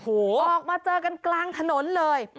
ออกมาเจอกันกลางถนนเลย